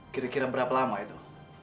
kira kira berapa lama itu